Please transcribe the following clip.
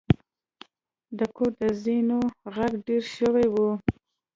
د کور د زینو غږ ډیر شوی و.